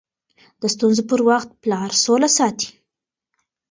د ستونزو پر وخت پلار سوله ساتي.